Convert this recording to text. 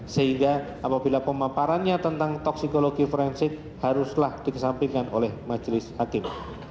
sehingga apabila pemaparannya tentang toksikologi forensik haruslah dikesampingkan oleh majelis hakim